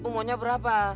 ibu maunya berapa